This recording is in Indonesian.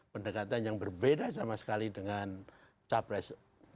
pendekatan yang berbeda sama sekali dengan capres dua